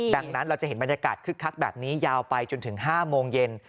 ดังนั้นเราจะเห็นบรรยากาศคึกคักแบบนี้ยาวไปจนถึง๕โมงเย็น